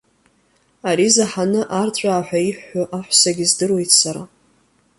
Ари заҳаны арҵәаа ҳәа иҳәҳәо аҳәсагьы здыруеит сара.